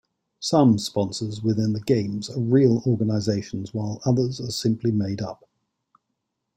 Some sponsors within the game are real organisations while others are simply made up.